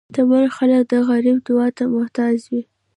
شتمن خلک د غریب دعا ته محتاج وي.